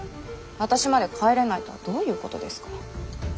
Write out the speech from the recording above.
私まで帰れないとはどういうことですか。